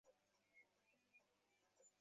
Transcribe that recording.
অক্ষয়বাবুর কথা কেন আপনি এত করিয়া মনে লইতেছেন?